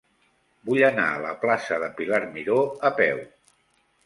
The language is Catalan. Vull anar a la plaça de Pilar Miró a peu.